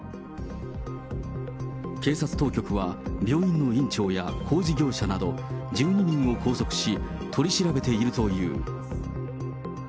警察当局は病院の院長や工事業者など１２人を拘束し、取り調べているという。